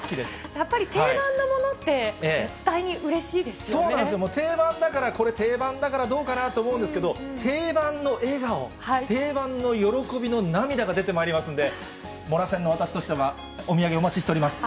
やっぱり定番のものって、そうなんですよ、定番だからこれ、定番だからどうかなと思うんですけれども、定番の笑顔、定番の喜びの涙が出てまいりますので、もら専の私としては、お土産、お待ちしております。